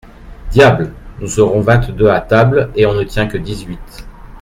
Diable ! nous serons vingt-deux à table et on ne tient que dix-huit.